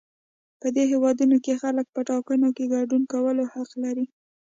په دې هېوادونو کې خلک په ټاکنو کې ګډون کولو حق لري.